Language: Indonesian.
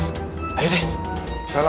assalamualaikum waalaikumsalam abah